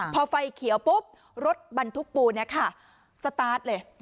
พอไฟเขียวปุ๊บรถบรรทุกปูนนี้ค่ะสตาร์ทเลย